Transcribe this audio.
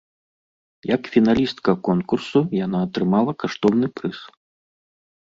Як фіналістка конкурсу яна атрымала каштоўны прыз.